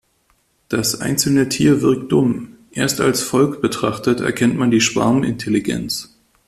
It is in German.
Das einzelne Tier wirkt dumm, erst als Volk betrachtet erkennt man die Schwarmintelligenz.